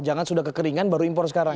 jangan sudah kekeringan baru impor sekarang